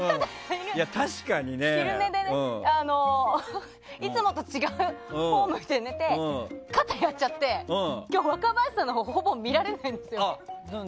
昼寝でいつもと違うフォームで寝て肩やっちゃって今日、若林さんのほうをほぼ見られないんですよ。